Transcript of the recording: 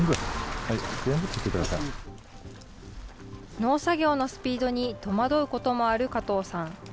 農作業のスピードに戸惑うこともある加藤さん。